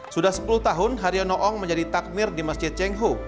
sudah sepuluh tahun haryono ong menjadi takmir di masjid cengho